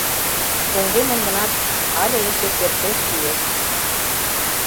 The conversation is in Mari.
Шоҥгемын гынат, але эше кертеш лиеш.